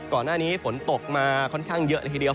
ก่อนหน้านี้ฝนตกมาคอนข้างเยอะนะครับคือเดียว